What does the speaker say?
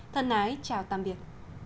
thân ái chào tạm biệt